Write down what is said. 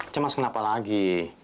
cemas kenapa lagi